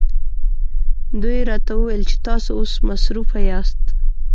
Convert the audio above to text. دوی راته وویل چې تاسو اوس مصروفه یاست.